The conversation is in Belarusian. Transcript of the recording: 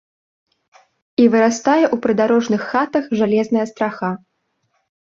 І вырастае ў прыдарожных хатах жалезная страха.